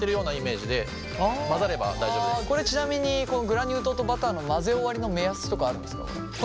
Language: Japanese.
ちなみにこのグラニュー糖とバターの混ぜ終わりの目安とかあるんですかこれ。